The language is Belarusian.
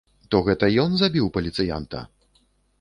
То гэта ён забіў паліцыянта?